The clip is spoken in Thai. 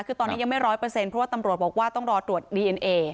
คือตอนนี้ยังไม่ร้อยเปอร์เซ็นต์เพราะว่าตำรวจบอกว่าต้องรอตรวจดีเอ็นเอ